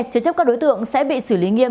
chế chấp các đối tượng sẽ bị xử lý nghiêm